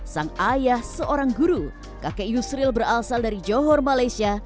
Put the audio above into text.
sang ayah seorang guru kakek yusril berasal dari johor malaysia